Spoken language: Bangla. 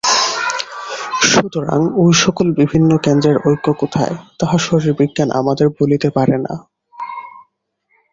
সুতরাং ঐ-সকল বিভিন্ন কেন্দ্রের ঐক্য কোথায়, তাহা শারীরবিজ্ঞান আমাদের বলিতে পারে না।